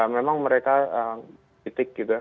memang mereka kritik gitu ya